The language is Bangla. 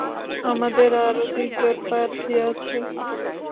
আমাদের আরও তিনজন প্রার্থী আছে।